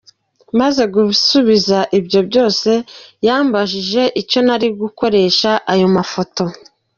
Maze gusubiza ibyi byose yambajije icyo nari buzakoreshe ayo mafoto.